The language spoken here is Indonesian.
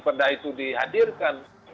perdah itu dihadirkan